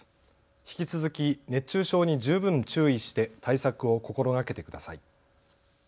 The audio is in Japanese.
引き続き熱中症に十分注意して対策を心がけてください。